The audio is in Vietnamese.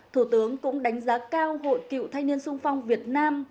thủ tướng cũng đánh giá cao hội cựu thanh niên sung phong việt nam